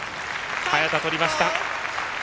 早田、取りました。